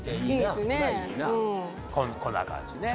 こんな感じね。